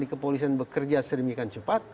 di kepolisian bekerja sering mengikan cepat